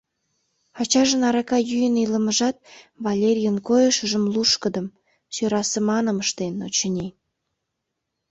Ачажын арака йӱын илымыжат Валерийын койышыжым лушкыдым, сӧрасыманым ыштен, очыни.